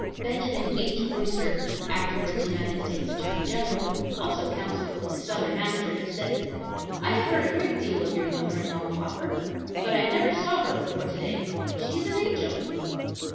Benjamin H. Brewster, afterwards United States Attorney General, also counsel for the Southern master, said: "I have heard a great deal of your mother in law, Hopper; but I never saw her before to day. She is an angel."